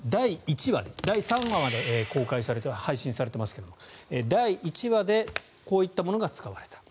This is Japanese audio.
第３話まで配信されていますが第１話でこういったものが使われた。